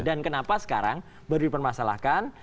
dan kenapa sekarang berdiri permasalahan